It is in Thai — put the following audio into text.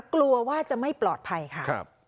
กลัวว่าจะไม่ปลอดภัยค่ะ